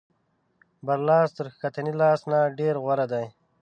بر لاس تر ښکتني لاس نه ډېر غوره دی.